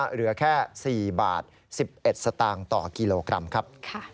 เหลือแค่๔บาท๑๑สตางค์ต่อกิโลกรัมครับ